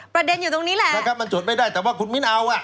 ประเด็นอยู่ตรงนี้แหละนะครับมันจดไม่ได้แต่ว่าคุณมิ้นเอาอ่ะ